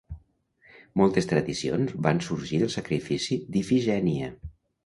Moltes tradicions van sorgir del sacrifici d'Ifigenia.